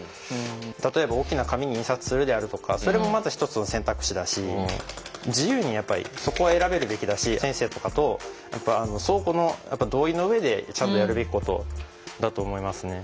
例えば大きな紙に印刷するであるとかそれもまた一つの選択肢だし自由にやっぱりそこを選べるべきだし先生とかと相互の同意の上でちゃんとやるべきことだと思いますね。